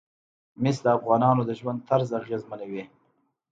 مس د افغانانو د ژوند طرز اغېزمنوي.